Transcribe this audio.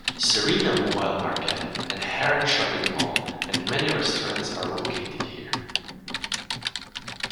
Serena Mobile Market and Haron Shopping Mall and many restaurants are located here.